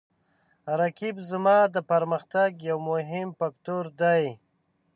رقیب زما د پرمختګ یو مهم فکتور دی